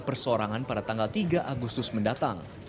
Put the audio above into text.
persorangan pada tanggal tiga agustus mendatang